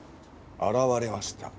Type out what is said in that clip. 現れました。